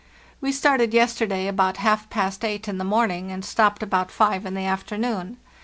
"We started yesterday about half past eight in the morning, and stopped about five in the afternoon.